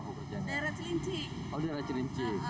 oh di daerah celinci